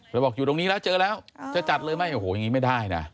แล้วบอกอยู่ตรงนี้แล้วเจอแล้วจะจัดเลยไหมโอ้โหอย่างนี้ไม่ได้นะ